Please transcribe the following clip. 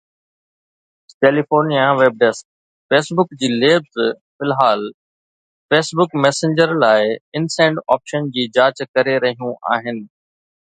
California web desk Facebook جي labs في الحال فيس بڪ ميسينجر لاءِ ان-سينڊ آپشن جي جاچ ڪري رهيون آهن.